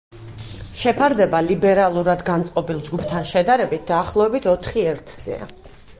შეფარდება ლიბერალურად განწყობილ ჯგუფთან შედარებით, დაახლოებით ოთხი ერთზეა.